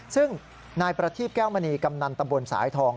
ซึ่งนายประทีบแก้วมณีกำนันตำบลสายทอง